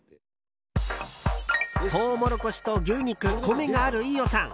トウモロコシと牛肉米がある飯尾さん。